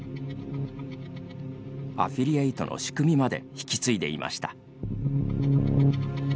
アフィリエイトの仕組みまで引き継いでいました。